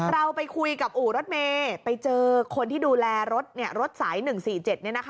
เราไปคุยกับอู่รถเมษัยไปเจอคนที่ดูแลรถเนี่ยรถสาย๑๔๗เนี่ยนะคะ